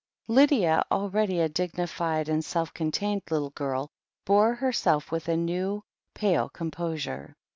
Lydia, already a dignified and self contained little girl, bore herself with a new, pale composure.